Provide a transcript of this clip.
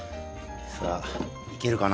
さあいけるかな。